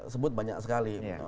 sebut banyak sekali